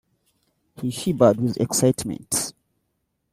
He shivered with excitement.